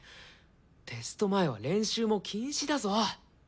テスト前は練習も禁止だぞ。